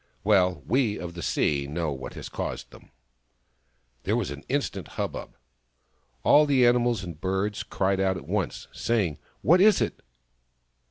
" Well, we of the sea know what has caused them !" There was an instant hubbub. All the animals Ii8 THE FROG THAT LAUGHED and birds cried out at once, saying, " What is it